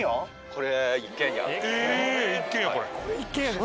これ一軒家です。